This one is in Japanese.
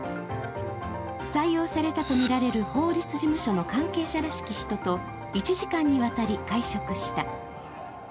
採用されたとみられる法律事務所の関係者らしき人と、１時間にわたり会食した。